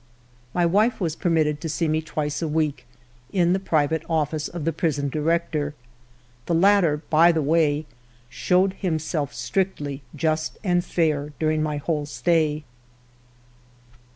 My wife was permitted to see me twice a week, in the private office of the Prison Director. The latter, by the way, showed himself strictly just and fair during my whole stay.